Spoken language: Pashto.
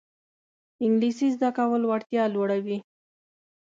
انګلیسي زده کول وړتیا لوړوي